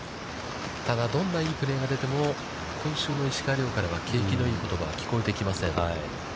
ただ、どんないいプレーが出ても、今週の石川遼からは景気のいい言葉は聞こえてきません。